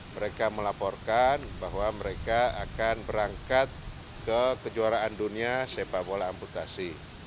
mereka melaporkan bahwa mereka akan berangkat ke kejuaraan dunia sepak bola amputasi